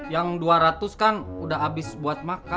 yang dua ratus kan udah habis buat makan